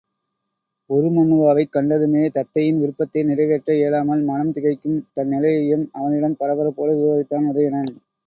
உருமண்ணுவாவைக் கண்டதுமே தத்தையின் விருப்பத்தை நிறைவேற்ற இயலாமல் மனம் திகைக்கும் தன் நிலையையும் அவனிடம் பரபரப்போடு விவரித்தான் உதயணன்.